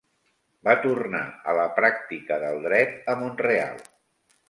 Va tornar a la pràctica del dret a Mont-real.